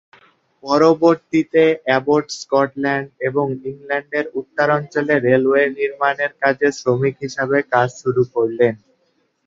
পরবর্তীতে Abbott Scotland এবং ইংল্যান্ডের উত্তরাঞ্চলে রেলওয়ে নির্মানের কাজে শ্রমিক হিসেবে কাজ শুরু করেন।